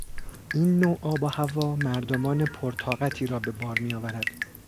این نوع آب و هوا مردمان پر طاقتی را به بار میآورد.